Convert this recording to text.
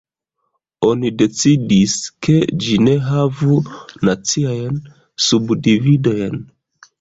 Oni decidis, ke ĝi ne havu naciajn subdividojn.